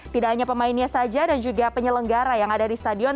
tidak hanya pemainnya saja dan juga penyelenggara yang ada di stadion